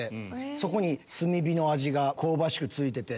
そこに炭火の味が香ばしく付いてて。